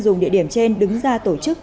dùng địa điểm trên đứng ra tổ chức